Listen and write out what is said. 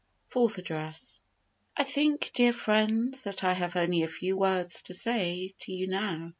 FOURTH ADDRESS. I think, dear friends, that I have only a very few words to say to you now.